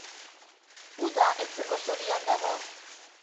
Uda heltzeko zorian dago!